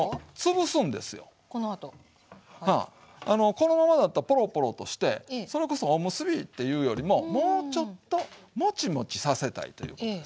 このままだとポロポロとしてそれこそおむすびっていうよりももうちょっとモチモチさせたいということですわ。